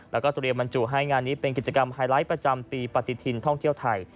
แล้วก็เตรียมบรรจุให้งานนี้เป็นกิจกรรมไฮไลท์ประจำปีปฏิทินท่องเที่ยวไทย